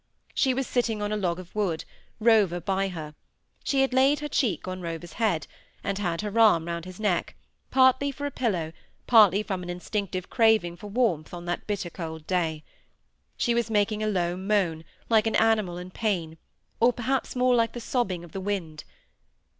She was sitting on a log of wood, Rover by her. She had laid her cheek on Rover's head, and had her arm round his neck, partly for a pillow, partly from an instinctive craving for warmth on that bitter cold day. She was making a low moan, like an animal in pain, or perhaps more like the sobbing of the wind.